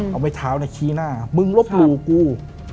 เอาไปเท้าในขี้หน้ามึงรบหลู่กู